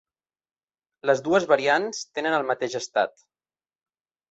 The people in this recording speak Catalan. Les dues variants tenen el mateix estat.